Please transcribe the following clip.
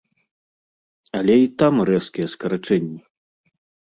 Але і там рэзкія скарачэнні.